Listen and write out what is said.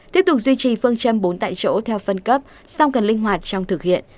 tiếp tục duy trì phương châm bốn tại chỗ theo phân cấp song cần linh hoạt trong thực hiện